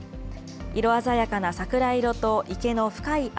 色鮮やかな桜色と池の深い青。